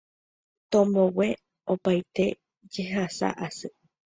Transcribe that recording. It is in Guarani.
Tombogue opaite jehasa asy